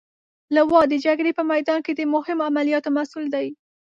لوا د جګړې په میدان کې د مهمو عملیاتو مسئول دی.